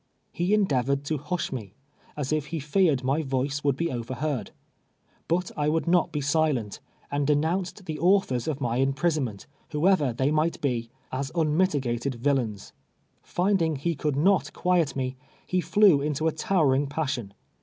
He endeavored to hush me, as if he feared my voice would be overheard. But I would not bo silent, and denounced the authors of my imprisonment, Avhoever they might be, as unmitigated villains. Finding he coukl not quiet me, he flew into a towering passion.